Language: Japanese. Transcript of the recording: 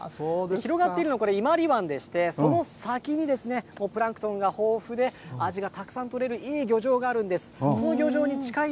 広がっているのは伊万里湾でしてその先にですねプランクトンが豊富であじがたくさんとれるいい漁場があるんです。